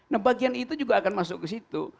nah bagian itu juga akan masuk ke situ